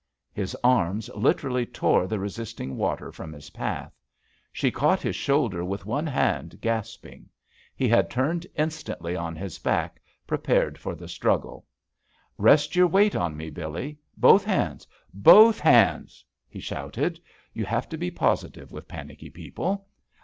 '* His arms literally tore the resist ing water from his path. She caught his shoulder with one hand, gasping. He had turned instantly on his back, prepared for the struggle. "Rest your weight on me, Billeel — both hands I — both hands/'' he shouted. (You have to be positive with panicky people.)